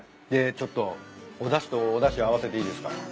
でちょっとおだしとおだしを合わせていいですか？